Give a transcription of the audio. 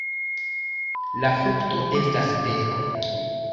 La frukto estas bero.